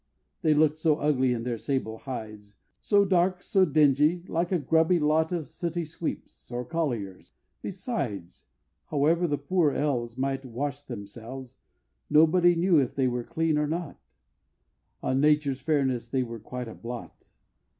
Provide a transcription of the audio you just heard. They look'd so ugly in their sable hides: So dark, so dingy, like a grubby lot Of sooty sweeps, or colliers, and besides, However the poor elves Might wash themselves, Nobody knew if they were clean or not On Nature's fairness they were quite a blot!